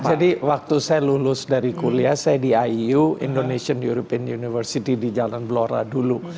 jadi waktu saya lulus dari kuliah saya di iu indonesian european university di jalan blora dulu